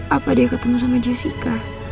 apa dia ketemu sama jessica